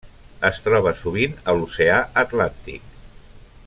Es troba sovint a l'oceà Atlàntic.